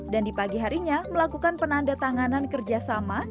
dan di pagi harinya melakukan penandatanganan kerjasama